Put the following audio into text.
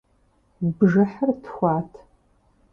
Бжыхьыр тхуат.